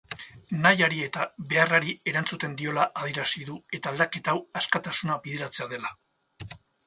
Nahiari eta beharrari erantzuten diola adierazi du eta aldaketa hau askatasuna bideratzea dela.